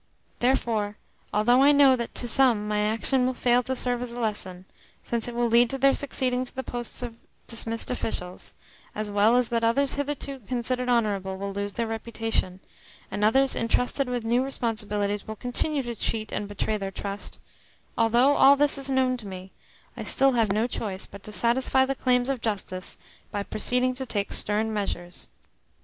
Therefore, although I know that to some my action will fail to serve as a lesson, since it will lead to their succeeding to the posts of dismissed officials, as well as that others hitherto considered honourable will lose their reputation, and others entrusted with new responsibilities will continue to cheat and betray their trust, although all this is known to me, I still have no choice but to satisfy the claims of justice by proceeding to take stern measures.